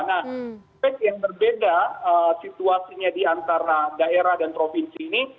nah yang berbeda situasinya di antara daerah dan provinsi ini